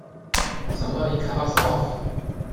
Somebody cut us off!